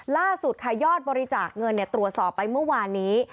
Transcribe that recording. ล่าสุดค่ะยอดบริจาคเงินตรวจสอบไปเมื่อวานนี้